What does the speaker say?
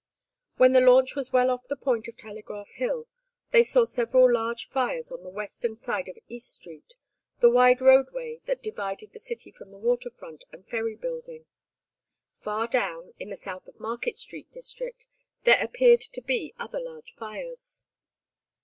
When the launch was well off the point of Telegraph Hill, they saw several large fires on the western side of East Street, the wide roadway that divided the city from the water front and Ferry Building. Far down, in the South of Market Street district there appeared to be other large fires.